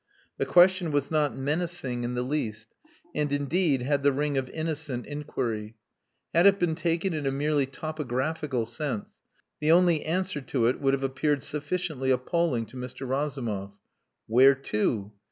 The question was not menacing in the least and, indeed, had the ring of innocent inquiry. Had it been taken in a merely topographical sense, the only answer to it would have appeared sufficiently appalling to Mr Razumov. Where to?